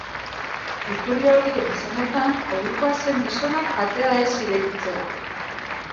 Iturri horien esanetan, ohikoa zen gizonak atea ez irekitzea.